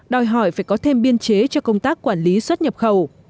đòi hỏi phải có thêm biên chế cho công tác quản lý xuất nhập khẩu